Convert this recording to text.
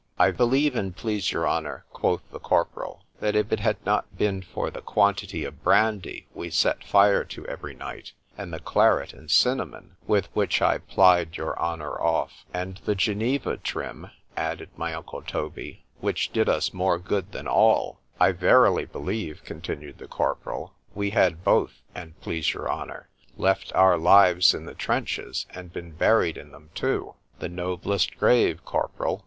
—— I believe, an' please your honour, quoth the corporal, that if it had not been for the quantity of brandy we set fire to every night, and the claret and cinnamon with which I plyed your honour off;—And the geneva, Trim, added my uncle Toby, which did us more good than all——I verily believe, continued the corporal, we had both, an' please your honour, left our lives in the trenches, and been buried in them too.——The noblest grave, corporal!